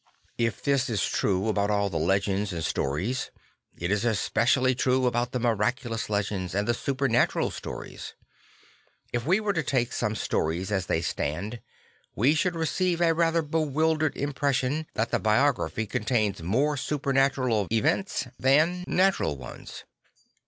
If this is true about all the legends and stories, it is especially true about the miraculous legends and the supernatural stories. If we were to take some stories as they stand, we should receive a rather bewildered impression that the biography contains more supernatural events thaJ1 16 4 St. Francis of Assisi natural ones.